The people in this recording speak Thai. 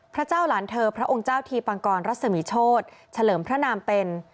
พระเจ้าหลานเธอพระองค์เจ้าทีปังกรรัศมีโชธเฉลิมพระนามเป็น